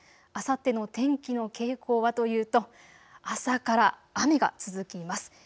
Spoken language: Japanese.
あさっての天気の傾向はというと朝から雨が続きます。